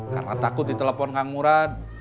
karena takut ditelepon kang murad